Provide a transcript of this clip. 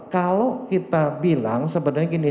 kalau kita bilang sebenarnya gini